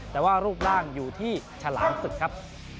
แต่ว่ารูปร่างอยู่ที่ฉลามศึกครับ